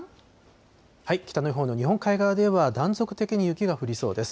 北日本の日本海側では断続的に雪が降りそうです。